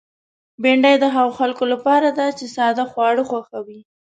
بېنډۍ د هغو خلکو لپاره ده چې ساده خواړه خوښوي